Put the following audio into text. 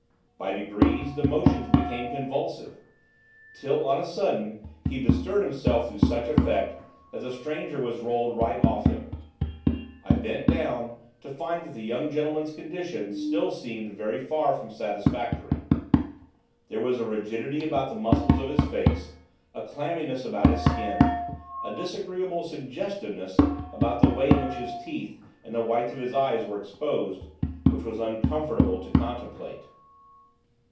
By degrees, the motions became convulsive, till on a sudden he bestirred himself to such effect that the stranger was rolled right off him. I bent down, to find that the young gentleman's condition still seemed very far from satisfactory. There was a rigidity about the muscles of his face, a clamminess about his skin, a disagreeable suggestiveness about the way in which his teeth and the whites of his eyes were exposed, which was uncomfortable to contemplate.